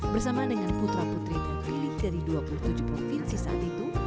bersama dengan putra putri terpilih dari dua puluh tujuh provinsi saat itu